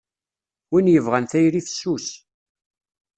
Win yebɣan tayri fessus.